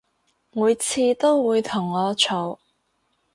每次都會同我嘈